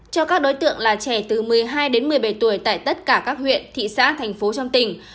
cho các đối tượng là trẻ từ một mươi hai đến một mươi bảy tuổi tại tất cả các huyện thị xã thành phố trong tỉnh